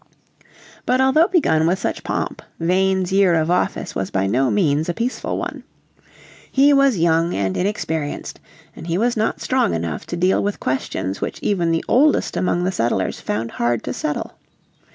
But although begun with such pomp Vane's year of office was by no means a peaceful one. He was young and inexperienced, and he was not strong enough to deal with questions which even the oldest among the settlers found hard to settle.